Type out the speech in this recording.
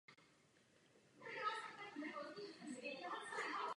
Web je přístupný i v anglické jazykové mutaci.